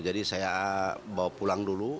jadi saya bawa pulang dulu